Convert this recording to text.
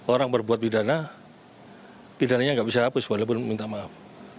orang berbuat bidana bidananya gak bisa hapus walaupun minta maaf